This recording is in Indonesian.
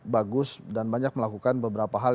bagus dan banyak melakukan beberapa hal